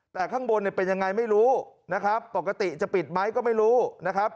แต่ข้างบนเนี่ยเป็นยังไงไม่รู้นะครับปกติจะปิดไหมก็ไม่รู้นะครับ